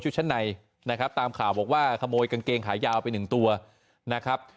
ชั้นในนะครับตามข่าวบอกว่าขโมยกางเกงขายาวไปหนึ่งตัวนะครับ